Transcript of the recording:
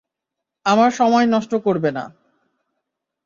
আমার সময় নষ্ট করবে না।